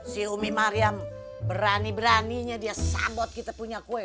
si umi mariam berani beraninya dia sambot kita punya kue